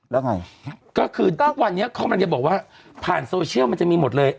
แล้วไงก็คือทุกวันนี้เขากำลังจะบอกว่าผ่านโซเชียลมันจะมีหมดเลย